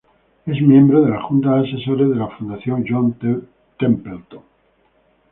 Es miembro de la junta de asesores de la Fundación John Templeton.